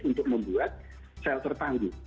untuk membuat shelter tangguh